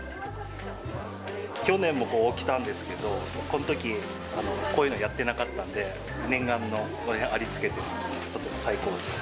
去年もここ来たんですけど、このとき、こういうのやってなかったんで、念願の、ありつけてちょっと最高です。